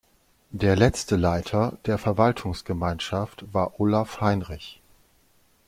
Der letzte Leiter der Verwaltungsgemeinschaft war Olaf Heinrich.